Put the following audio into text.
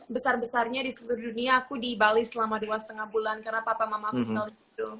besar besarnya di seluruh dunia aku di bali selama dua lima bulan karena papa mama aku kenal